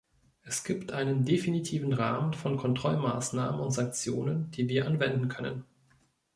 Es gibt einen definitiven Rahmen von Kontrollmaßnahmen und Sanktionen, die wir anwenden können.